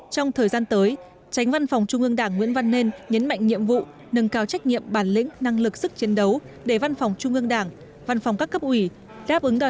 trong thời gian tới tránh văn phòng trung mương đảng nguyễn văn nên nhấn mạnh nhiệm vụ nâng cao trách nhiệm bản lĩnh năng lực sức chiến đấu để văn phòng trung mương đảng